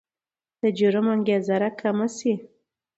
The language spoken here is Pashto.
د جرم انګېزه راکمه شي.